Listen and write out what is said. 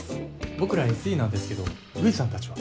僕らＳＥなんですけど藤さんたちは？